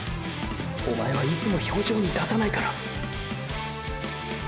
おまえはいつも表情に出さないから！！